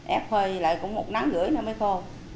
ép phơi lại cũng một nắng rưỡi nữa mới khô